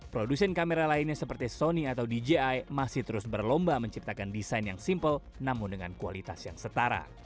produsen kamera lainnya seperti sony atau dji masih terus berlomba menciptakan desain yang simple namun dengan kualitas yang setara